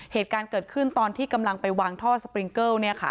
เหตุการณ์เกิดขึ้นตอนที่กำลังไปวางท่อสปริงเกิล